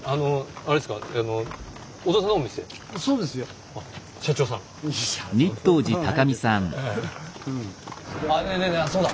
あそうだ。